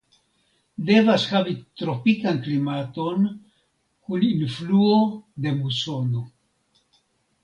Devas havas tropikan klimaton kun influo de musono.